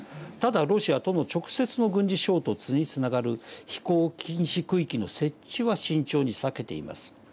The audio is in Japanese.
ただロシアとの直接の軍事衝突につながる飛行禁止区域の設置は慎重に避けています。